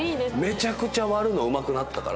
めちゃくちゃ割るのうまくなったから。